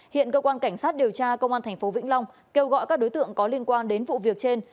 hiện cơ quan cảnh sát điều tra công an tp vĩnh long kêu gọi các đối tượng có liên quan đến vụ việc trên